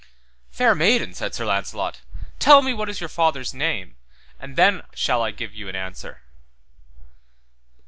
Fair maiden, said Sir Launcelot, tell me what is your father's name, and then shall I give you an answer.